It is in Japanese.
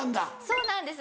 そうなんです